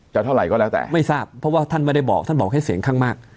เท่าไหร่ก็แล้วแต่ไม่ทราบเพราะว่าท่านไม่ได้บอกท่านบอกให้เสียงข้างมาก